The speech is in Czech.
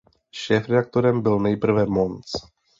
Šéfredaktorem byl nejprve Mons.